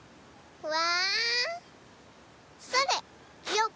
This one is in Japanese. うわ。